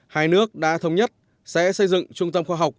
hai nước đã thống nhất sẽ xây dựng trung tâm khoa học